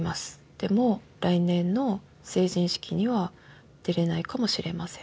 「でも来年の成人式には」「出れないかもしれません」